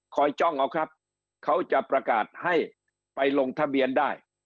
จ้องเอาครับเขาจะประกาศให้ไปลงทะเบียนได้